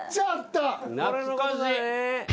懐かしい。